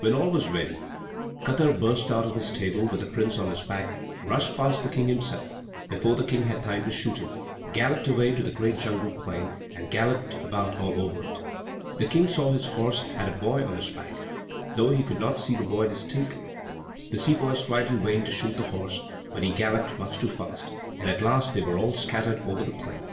When all was ready, Katar burst out of his stable, with the prince on his back, rushed past the King himself before the King had time to shoot him, galloped away to the great jungle plain, and galloped about all over it. The King saw his horse had a boy on his back, though he could not see the boy distinctly. The sepoys tried in vain to shoot the horse; he galloped much too fast; and at last they were all scattered over the plain.